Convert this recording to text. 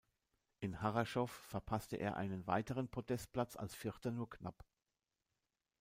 In Harrachov verpasste er einen weiteren Podestplatz als Vierter nur knapp.